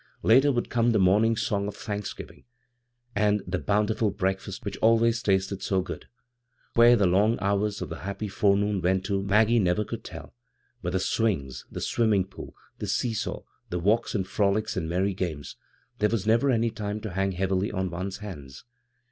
Later would come the morning song of thanksgiving, and the bountiful breakfast which always tasted so good. Where the long hours of the happy IS* b, Google CROSS CURRENTS forenoon went to, Maggie never could tell ; but with the swings, the swimming pool, the seesaw, the walks and frolics and merry games — there was never any time to hang heavily on one's hands.